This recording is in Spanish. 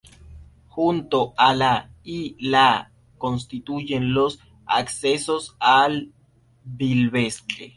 Junto a la y a la constituyen los accesos a Vilvestre.